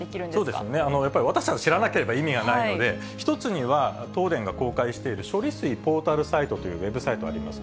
そうですよね、やっぱり私たち、知らなければ意味がないので、一つには、東電が公開している処理水ポータルサイトというウェブサイトあります。